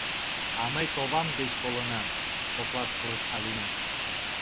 — А мый ковам деч колынам, — Коклаш пурыш Алина.